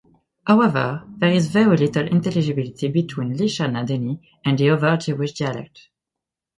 However, there is very little intelligibility between Lishana Deni and the other Jewish dialects.